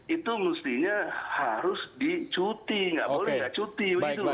itu mestinya harus dicuti nggak boleh nggak cuti